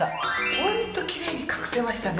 ホントキレイに隠せましたね。